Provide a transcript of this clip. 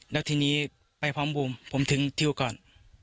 แล้วทีนี้ไปพร้อมบูมผมถึงทิวก่อน